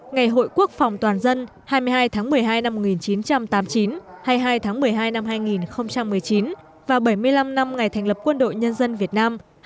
ngày hội quốc phòng toàn dân hai mươi hai tháng một mươi hai năm một nghìn chín trăm tám mươi chín hai mươi hai tháng một mươi hai năm hai nghìn một mươi chín và bảy mươi năm năm ngày thành lập quân đội nhân dân việt nam